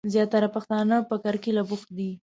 زياتره پښتنه په کرکيله بوخت دي.